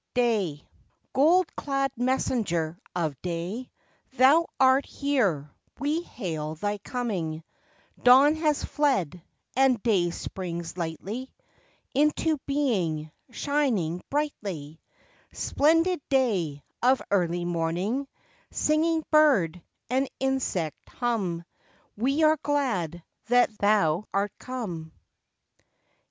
DAY Gold clad messenger of day, Thou art here, we hail thy coming, Dawn has fled, and day springs lightly Into being, shining brightly, Splendid day of early morning, Singing bird and insect hum, We are glad that thou art come.